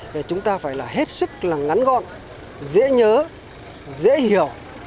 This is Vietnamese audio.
thì chúng ta phải là hết sức là ngắn gọn dễ nhớ dễ hiểu